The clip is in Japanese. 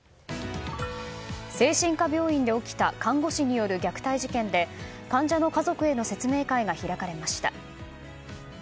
精神科病院で起きた看護師による虐待事件で患者の家族への説明会が開かれました。